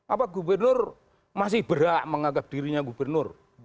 apa gubernur masih berak mengagap dirinya gubernur